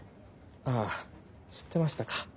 ああ知ってましたか。